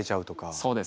そうです。